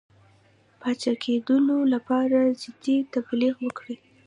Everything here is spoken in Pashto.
پاچاکېدلو لپاره جدي تبلیغ وکړي.